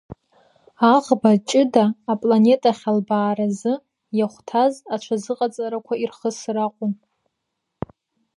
Аӷба ҷыда апланетахь албааразы иахәҭаз аҽазыҟаҵарақәа ирхысыр акәын.